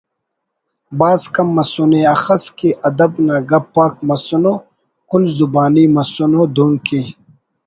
بھاز کم مسنے اخس کہ ادب نا گپ آک مسنو کُل زبانی مسنو دن کہ